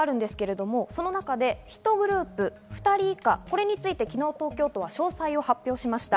１グループ２人以下これについて昨日、東京都は詳細を発表しました。